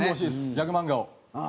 ギャグ漫画を。